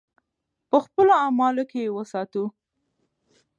په خپلو اعمالو کې یې وساتو.